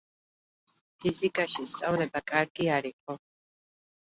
ფიზიკაში სწავლება კარგი არ იყო.